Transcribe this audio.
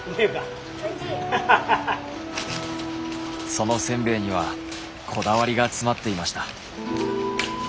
そのせんべいにはこだわりが詰まっていました。